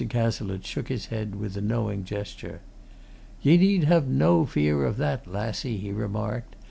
Cazalette shook his head with a knowing gesture. "Ye need have no fear of that, lassie!" he remarked.